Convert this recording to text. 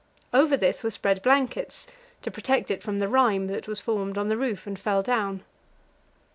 Over this were spread blankets to protect it from the rime that was formed on the roof and fell down.